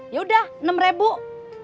yaudah enam rebuk